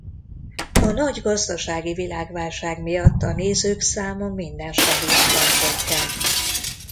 A nagy gazdasági világválság miatt a nézők száma minden stadionban csökkent.